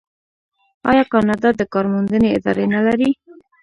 آیا کاناډا د کار موندنې ادارې نلري؟